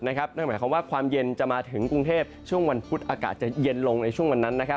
นั่นหมายความว่าความเย็นจะมาถึงกรุงเทพช่วงวันพุธอากาศจะเย็นลงในช่วงวันนั้น